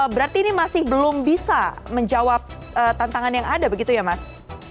berarti ini masih belum bisa menjawab tantangan yang ada begitu ya mas